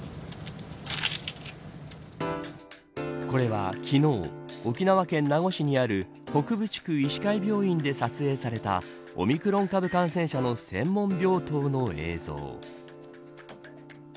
これは昨日沖縄県名護市にある北部地区医師会病院で撮影されたオミクロン株感染者の専門病棟の映像。